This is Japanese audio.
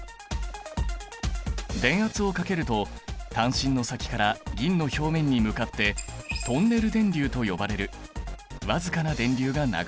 電圧をかけると探針の先から銀の表面に向かってトンネル電流と呼ばれる僅かな電流が流れる。